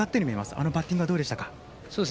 あのバッティングはどうでしたか？